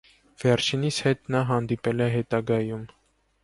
Վերջինիս հետ նա հանդիպել է հետագայում։